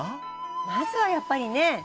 まずはやっぱりね。